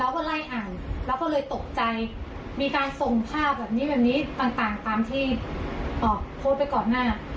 ก็ต่างต่างตามที่ออกโพสต์ไปก่อนหน้า